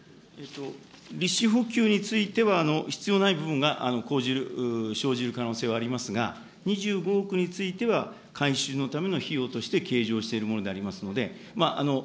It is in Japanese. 利子補給については必要ない部分が生じる可能性はありますが、２５億については回収のための費用として計上しているものでありますので。